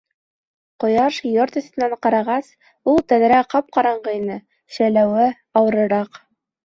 Ҡояш йорт өҫтөнән ҡарағас, ул тәҙрә ҡап-ҡараңғы ине, шәйләүе ауырыраҡ.